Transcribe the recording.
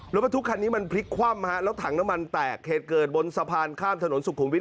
รถบรรทุกคันนี้มันพลิกคว่ำฮะแล้วถังน้ำมันแตกเหตุเกิดบนสะพานข้ามถนนสุขุมวิท